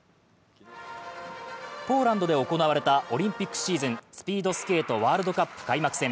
ポーランドで行われたオリンピックシーズンスピードスケート・ワールドカップ開幕戦。